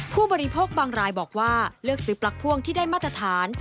ผู้บริโภคบางรายบอกว่าเลือกซื้อปลั๊กพ่วงที่ได้มาตรฐาน